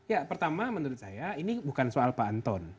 ya pertama menurut saya ini bukan soal pak anton